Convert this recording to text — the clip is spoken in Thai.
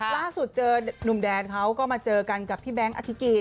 ล่าสุดเจอนุ่มแดนเขาก็มาเจอกันกับพี่แบงค์อธิกี